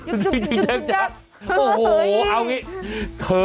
โอ้โหเอาอย่างนี้เธอคืนใจแล้วนะ